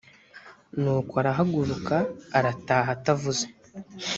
nuko arahaguruka arataha atavuze